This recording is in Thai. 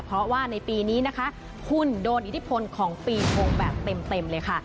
เพราะว่าในปีนี้นะคะคุณโดนอิทธิพลของปีชงแบบเต็มเลยค่ะ